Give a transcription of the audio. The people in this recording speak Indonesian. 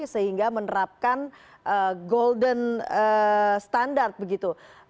sehingga menerapkan golden standard begitu